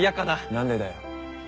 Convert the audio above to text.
何でだよ。